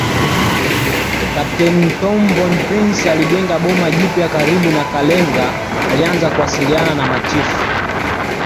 Kapteni Tom von Prince alijenga boma jipya karibu na Kalenga alianza kuwasiliana na machifu